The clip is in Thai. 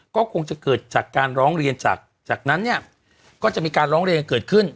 ก็คงจะเกิดจากการร้องเรียนจากนั้นเนี่ยก็จะมีการร้องเรียนเกิดขึ้น